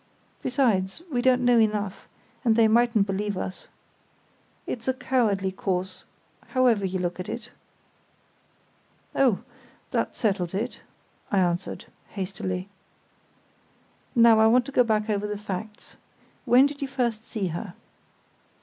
Besides, we don't know enough, and they mightn't believe us. It's a cowardly course, however you look at it." "Oh! that settles it," I answered, hastily. "Now I want to go back over the facts. When did you first see her?"